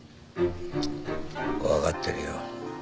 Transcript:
わかってるよ。